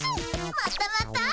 またまた。